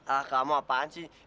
ah kamu apaan sih